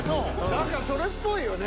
何かそれっぽいよね